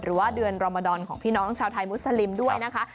หรือว่าเดือนรมดอนของพี่น้องชาวไทยมุสลิมด้วยนะคะ